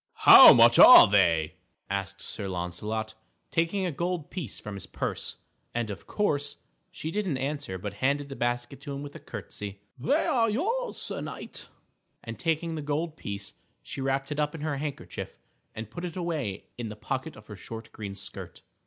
_" "How much are they?" asked Sir Launcelot, taking a gold piece from his purse. And of course, she didn't answer but handed the basket to him with a curtsy. "They are yours, Sir Knight," and, taking the gold piece, she wrapped it up in her handkerchief and put it away in the pocket of her short green skirt.